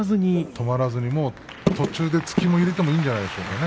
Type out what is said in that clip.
止まらずに途中で突きを入れてもいいんじゃないですかね。